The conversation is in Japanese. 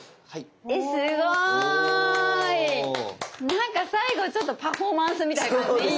なんか最後ちょっとパフォーマンスみたいな感じでいいね。